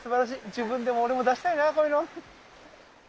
自分でも俺も出したいなこういうの。